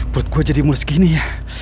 burut gua jadi mulus gini ya